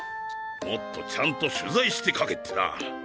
もっとちゃんと取材して書けってな。